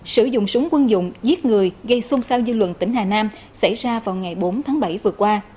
sử dụng súng quân dụng giết người gây xôn xao dư luận tỉnh hà nam xảy ra vào ngày bốn tháng bảy vừa qua